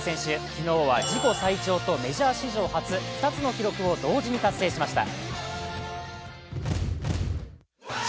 昨日は自己最長とメジャー史上初、２つの記録を同時に達成しました。